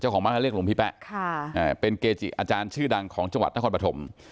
ของบ้านเขาเรียกหลวงพี่แป๊ะเป็นเกจิอาจารย์ชื่อดังของจังหวัดนครปฐม